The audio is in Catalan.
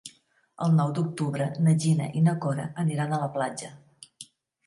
El nou d'octubre na Gina i na Cora aniran a la platja.